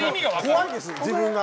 怖いです自分が。